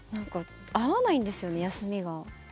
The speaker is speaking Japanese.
合わないんですよね休みが。